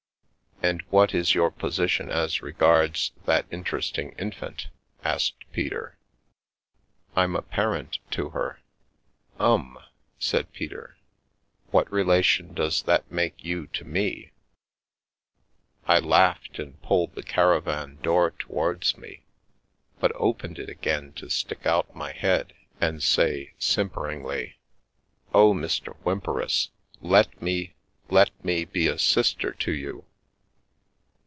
" And what is your position as regards that interesting infant?" asked Peter. " I'm a parent to her." " Um !" said Peter. " What relation does that make you to me ?" I laughed, and pulled the caravan door towards me, but opened it again to stick out my head and say, sim peringly :" Oh, Mr. Whymperis, let me — let me — be a sister to you